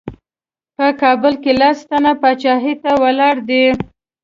په کابل کې لس تنه پاچاهۍ ته ولاړ دي.